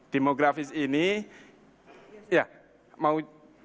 demografis ini ya mau